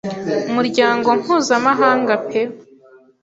umuryango mpuzamahanga pe,